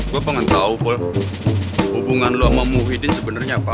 gue pengen tahu pol hubungan lo sama muhyiddin sebenarnya apa